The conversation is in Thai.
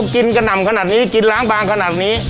กระหน่ำขนาดนี้กินล้างบางขนาดนี้